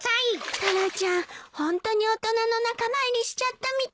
タラちゃんホントに大人の仲間入りしちゃったみたい。